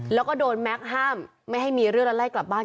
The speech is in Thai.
แล้วก็โดนแม็กซ์ห้ามไม่ให้มีเรื่องแล้วไล่กลับบ้าน